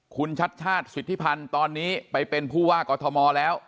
คุณชัดชาติสิทธิพันธ์ตอนนี้ไปเป็นผู้ว่ากอทมแล้ว